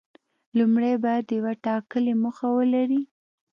لومړی باید یوه ټاکلې موخه ولري.